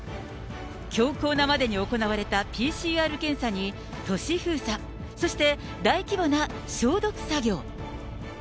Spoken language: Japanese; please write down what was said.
強硬なまでに行われたＰＣＲ検査に都市封鎖、そして大規模な消毒作業。